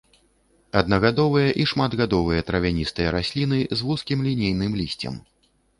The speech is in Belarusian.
Аднагадовыя і шматгадовыя травяністыя расліны з вузкім лінейным лісцем.